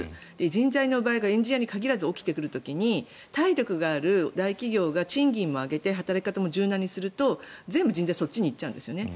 人材の奪い合いがエンジニアに限らず起こってくる時に体力がある大企業が賃金も上げて働き方も柔軟にすると全部、人材がそっちに行っちゃうんですね。